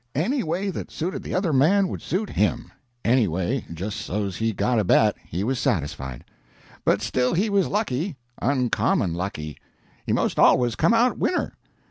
Any way that suited the other man would suit HIM any way just so's he got a bet, he was satisfied. But still he was lucky, uncommon lucky; he most always come out winner.